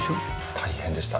大変でした。